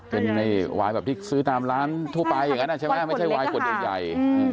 เป็นไวน์ที่ซื้อตามร้านทั่วไปอย่างนั้นไม่ใช่ไวน์คนเด็กใหญ่